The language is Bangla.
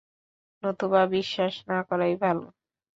নতুবা বিশ্বাস না করাই ভাল।